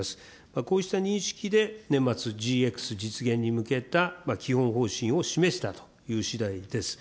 こうした認識で年末、ＧＸ実現に向けた基本方針を示したというしだいです。